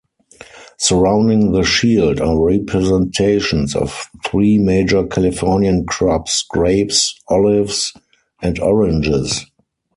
Surrounding the shield are representations of three major Californian crops, grapes, olives, and oranges.